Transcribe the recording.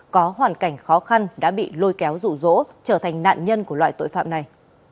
có hoàn cảnh khó khăn đã bị lôi kéo rụ rỗ trở thành nạn nhân của loại tội phạm này